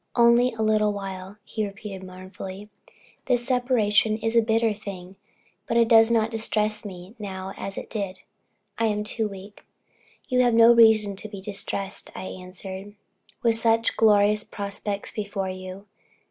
"Only a little while," he repeated mournfully; "this separation is a bitter thing, but it does not distress me now as it did I am too weak." "You have no reason to be distressed," I answered, "with such glorious prospects before you.